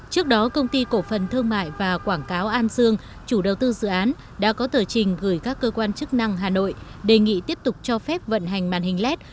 trước đó công ty cổ phần thương mại và quảng cáo an sương chủ đầu tư dự án đã có tờ trình gửi các cơ quan chức năng hà nội đề nghị tiếp tục cho phép vận hành màn hình led